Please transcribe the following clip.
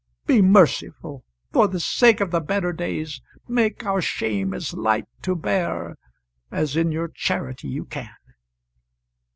Be merciful for the sake or the better days; make our shame as light to bear as in your charity you can."